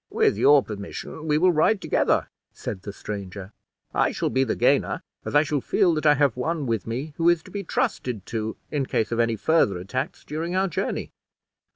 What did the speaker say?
"With your permission we will ride together," said the stranger. "I shall be the gainer, as I shall feel that I have one with me who is to be trusted to in case of any further attacks during our journey."